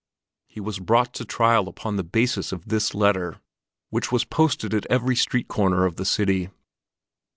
He was brought to trial upon the basis of this letter, which was posted at every street corner of the city.